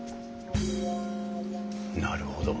なるほど。